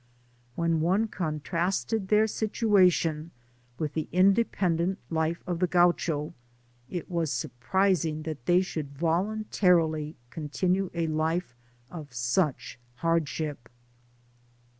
When one contrasted their situation with the independent life of the Gaucho, it was surprising that they should voluntarily continue a life of such hardship.